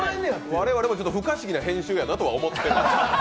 我々も不可思議な編集やなとは思ってる。